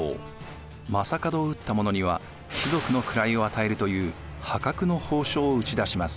将門を討った者には貴族の位を与えるという破格の褒章を打ち出します。